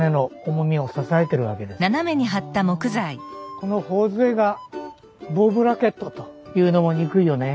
この頬杖がボウブラケットというのも憎いよねえ。